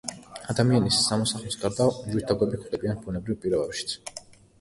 ადამიანის სამოსახლოს გარდა ვირთაგვები გვხვდებიან ბუნებრივ პირობებშიც.